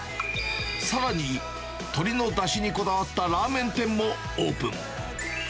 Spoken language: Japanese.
さらに、鶏のだしにこだわったラーメン店もオープン。